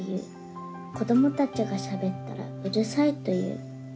子どもたちがしゃべったらうるさいという。」